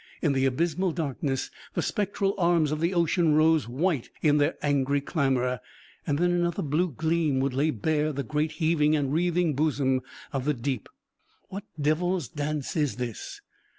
In the abysmal darkness the spectral arms of the ocean rose white in their angry clamor; and then another blue gleam would lay bare the great heaving and wreathing bosom of the deep. What devil's dance is this?